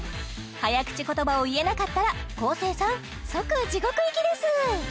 早口言葉を言えなかったら昴生さん即地獄行きです